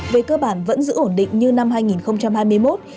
về cơ bản vẫn giữ ổn định như năm hai nghìn hai mươi một